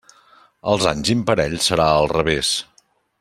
Els anys imparells serà al revés.